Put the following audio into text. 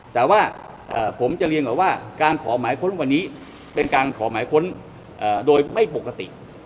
แต่ว่าผมจะเรียนก่อนว่าการขอหมายค้นวันนี้เป็นการขอหมายค้นโดยไม่ปกติ